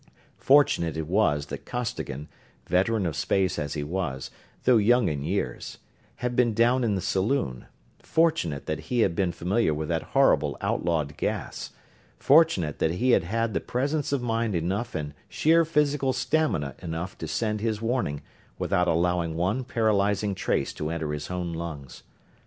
Fortunate it was that Costigan veteran of space as he was, though young in years had been down in the saloon; fortunate that he had been familiar with that horrible outlawed gas; fortunate that he had had the presence of mind enough and sheer physical stamina enough to send his warning without allowing one paralyzing trace to enter his own lungs.